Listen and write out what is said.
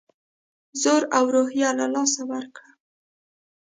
زور او روحیه له لاسه ورکړه.